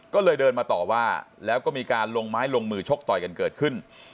ก็เลยเดินมาต่อว่าแล้วก็มีการลงไม้ลงมือชกต่อยกันเกิดขึ้น